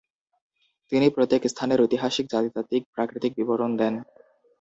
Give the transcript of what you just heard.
তিনি প্রত্যেক স্থানের ঐতিহাসিক, জাতিতাত্বিক, প্রাকৃতিক বিবরণ দেন।